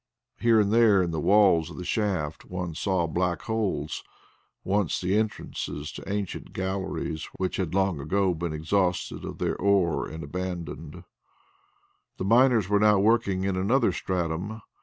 Here and there in the walls of the shaft one saw black holes, once the entrances to ancient galleries which had long ago been exhausted of their ore and abandoned. The miners were now working in another stratum.